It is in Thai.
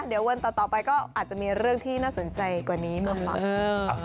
เดี๋ยววันต่อไปก็อาจจะมีเรื่องที่น่าสนใจกว่านี้มาฝาก